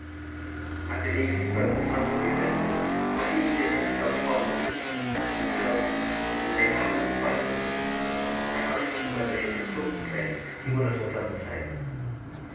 I believe he spoke with some degree of envy, for he is himself fond of pictures, and has dealt in them, and made hundreds by them. I question whether if in Soult's place he would not have done the same.